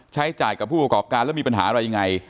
ใช้จ่ายกับผู้ประกอบการแล้วมีปัญหาอะไรยังไง